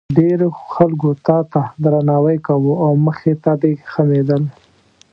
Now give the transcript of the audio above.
ډېرو خلکو تا ته درناوی کاوه او مخې ته دې خمېدل.